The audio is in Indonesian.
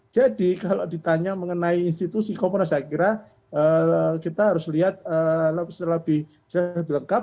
jadi kalau ditanya mengenai institusi komponen saya kira kita harus lihat lebih lengkap